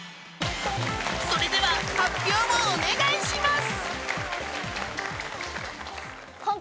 それでは発表をお願いします